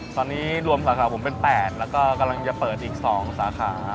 ตอนนี้รวมสาขาผมเป็น๘แล้วก็กำลังจะเปิดอีก๒สาขา